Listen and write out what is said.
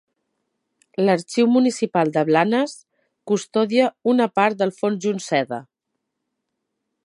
L'Arxiu Municipal de Blanes custodia una part del fons Junceda.